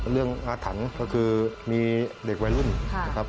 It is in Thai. เรื่องอาถังก็คือมีเด็กวัยรุ่นครับ